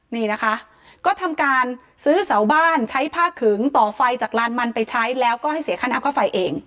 นี่นะคะก็ทำการซื้อเสาบ้านใช้ผ้าขึงต่อไฟจากลานมันไปใช้แล้วก็ให้เสียค่าน้ำค่าไฟเอง